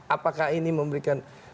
apakah ini memberikan